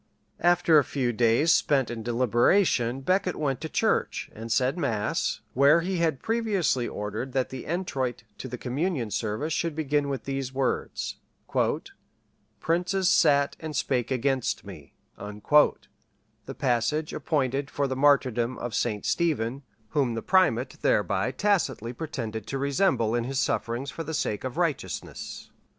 ] After a few days spent in deliberation Becket went to church, and said mass, where he had previously ordered that the entroit to the communion service should begin with these words, "Princes sat and spake against me;" the passage appointed for the martyrdom of St. Stephen, whom the primate thereby tacitly pretended to resemble in his sufferings for the sake of righteousness.